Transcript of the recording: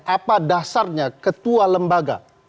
apa dasarnya ketua lembaga